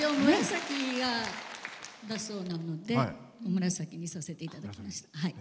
紫だそうなので紫にさせていただきました。